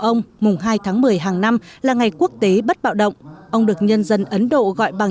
ông mùng hai tháng một mươi hàng năm là ngày quốc tế bất bạo động ông được nhân dân ấn độ gọi bằng